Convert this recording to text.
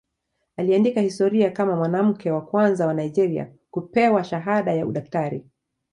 Aliandika historia kama mwanamke wa kwanza wa Nigeria kupewa shahada ya udaktari.